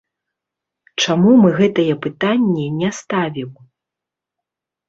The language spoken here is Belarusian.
Чаму мы гэтае пытанне не ставім?